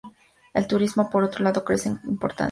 El turismo, por otro lado, crece en importancia.